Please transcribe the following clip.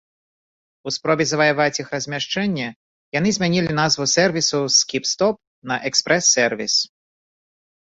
У спробе заваяваць іх размяшчэнне яны змянілі назву сэрвісу з скіп-стоп на экспрэс-сервіс.